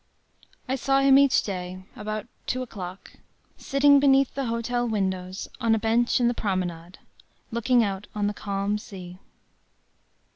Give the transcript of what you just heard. I saw him each day, about two o'clock, sitting beneath the hotel windows on a bench in the promenade, looking out on the calm sea.